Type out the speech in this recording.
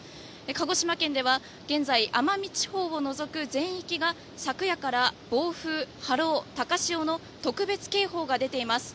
鹿児島県では現在、奄美地方を除く全域が昨夜から防風、波浪、高潮の特別警報が出ています。